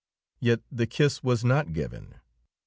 Yet the kiss was not given.